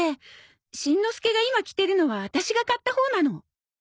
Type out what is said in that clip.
しんのすけが今着てるのはワタシが買ったほうなの。